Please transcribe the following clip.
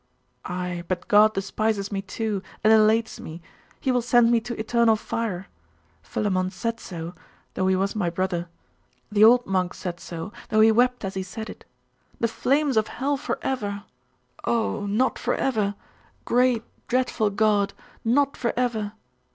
Ay, but God despises me too, and elates me. He will send me to eternal fire. Philammon said so though he was my brother. The old monk said so though he wept as he said it.... The flames of hell for ever! Oh, not for ever! Great, dreadful God! Not for ever!